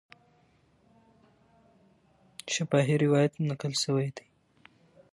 شفاهي روایت نقل سوی دی.